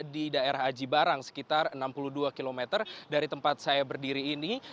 di daerah aji barang sekitar enam puluh dua km dari tempat saya berdiri ini